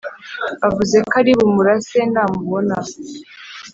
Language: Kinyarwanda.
avuze ko ari bumurase namubona